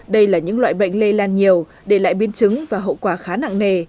đây là những loại bệnh lây lan nhiều để lại biến chứng và hậu quả khá nặng nề